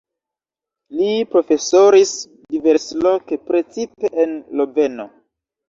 Li profesoris diversloke, precipe en Loveno.